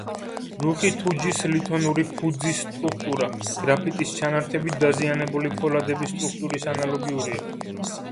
რუხი თუჯის ლითონური ფუძის სტრუქტურა გრაფიტის ჩანართებით დაზიანებული ფოლადების სტრუქტურის ანალოგიურია.